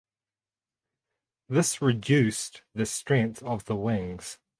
This reduced the strength of the wings.